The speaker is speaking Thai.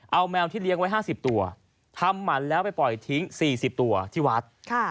เอาแมวที่เลี้ยงไว้๕๐ตัวทำหมันแล้วไปปล่อยทิ้ง๔๐ตัวที่วัด